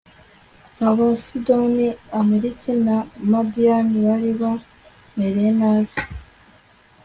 abasidoni, amaleki na madiyani bari babamereye nabi